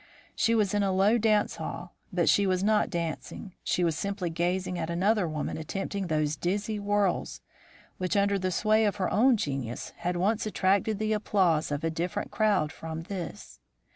"She was in a low dance hall, but she was not dancing. She was simply gazing at another woman attempting those dizzy whirls which, under the sway of her own genius, had once attracted the applause of a different crowd from this.